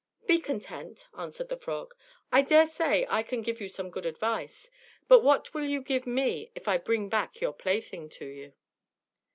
"Be content," answered the frog, "I daresay I can give you some good advice; but what will you give me if I bring back your plaything to you?"